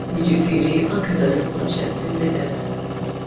Jiġifieri anke dan il-konċett inbidel.